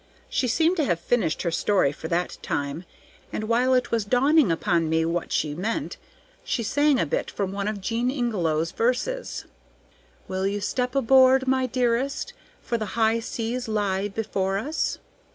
She seemed to have finished her story for that time, and while it was dawning upon me what she meant, she sang a bit from one of Jean Ingelow's verses: "Will ye step aboard, my dearest, For the high seas lie before us?"